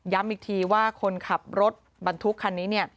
ย้ำอีกทีว่าคนขับรถบรรทุกคันนี้